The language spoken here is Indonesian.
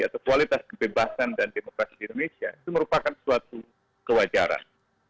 atau kualitas kebebasan dan demokrasi di indonesia itu merupakan suatu kewajaran